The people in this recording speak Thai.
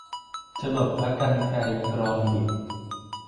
จรดพระกรรไกรกรรบิด